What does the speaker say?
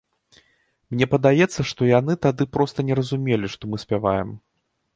Мне падаецца, што яны тады проста не разумелі, што мы спяваем.